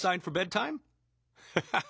ハハハ。